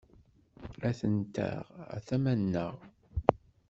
Atent-a ɣer tama-nneɣ.